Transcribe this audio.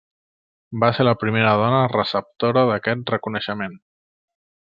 Va ser la primera dona receptora d'aquest reconeixement.